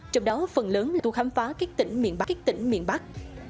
tuy nhiên tôi khám phá các tỉnh miền bắc